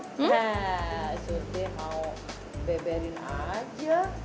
nah sudi mau beberin aja